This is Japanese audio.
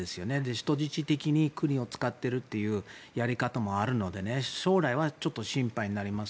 人質的に国を使っているというやり方もあるので将来はちょっと心配になります。